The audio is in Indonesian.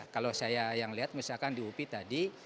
kalau saya yang lihat misalkan di upi tadi